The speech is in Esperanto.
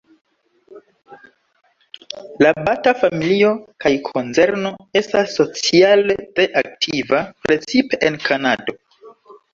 La Bata-familio kaj konzerno estas sociale tre aktiva, precipe en Kanado.